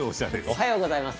おはようございます。